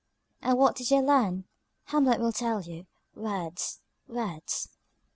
And what did they learn? Hamlet will tell you words words.